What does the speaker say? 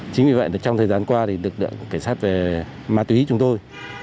chính vì vậy trong thời gian qua thì lực lượng cảnh sát về ma túy chúng tôi